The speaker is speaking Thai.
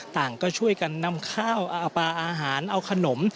ต่างก็ช่วยกันนำข้าวเอาปลาอาหารเอาขนม